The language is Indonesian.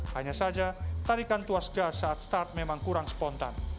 hanya saja tarikan tuas gas saat start memang kurang spontan